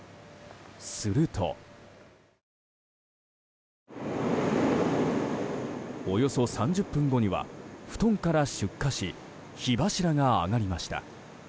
すると、およそ３０分後には布団から出火し火柱が上がりました。